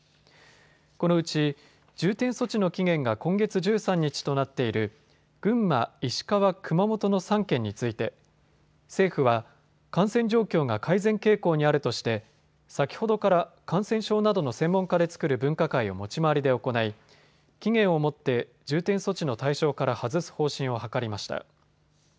このうち重点措置の期限が今月１３日となっている群馬、石川、熊本の３県について政府は感染状況が改善傾向にあるとして先ほどから感染症などの専門家で作る分科会を持ち回りで行い期限をもって重点措置の対象から外す方針を諮りました。